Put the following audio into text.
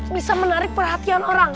bisa menarik perhatian orang